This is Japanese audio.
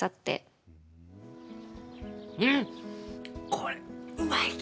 これ、うまいき！